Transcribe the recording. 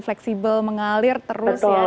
fleksibel mengalir terus ya